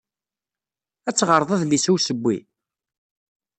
Ad teɣred adlis-a n ussewwi?